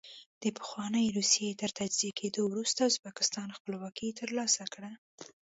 د پخوانۍ روسیې تر تجزیه کېدو وروسته ازبکستان خپلواکي ترلاسه کړه.